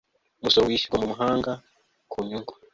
umusoro wishyurwa mu mahanga ku nyungu